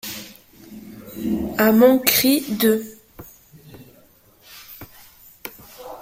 À mon cri de.